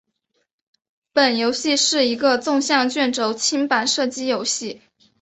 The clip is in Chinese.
本游戏是一个纵向卷轴清版射击游戏。